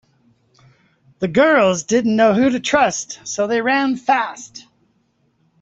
The girls didn’t know who to trust so they ran fast.